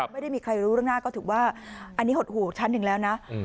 ไม่ได้มีใครรู้เรื่องหน้าก็ถือว่าอันนี้หดหูชั้นหนึ่งแล้วนะ